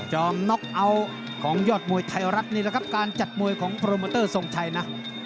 อมน็อกเอาท์ของยอดมวยไทยรัฐนี่แหละครับการจัดมวยของโปรโมเตอร์ทรงชัยนะ